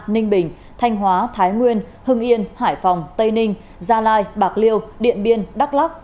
ninh bình thanh hóa thái nguyên hưng yên hải phòng tây ninh gia lai bạc liêu điện biên đắk lắc